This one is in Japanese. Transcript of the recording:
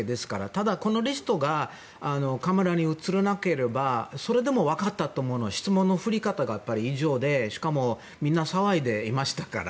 ただ、このリストがカメラに映らなければそれでも分かったと思うのは質問の振り方が異常でしかもみんな騒いでいましたから。